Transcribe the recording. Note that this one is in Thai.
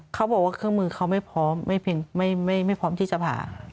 เขาบอกว่าเครื่องมือเขาไม่พร้อมไม่พร้อมที่จะผ่า